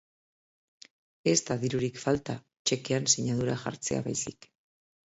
Ez da dirurik falta, txekean sinadura jartzea baizik.